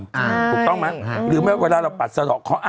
ถูกต้องไหมหรือไม่ว่าเวลาเราปัดสระข้อ